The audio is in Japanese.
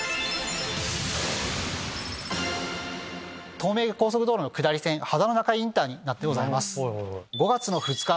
東名高速道路の下り線秦野中井インターになってます。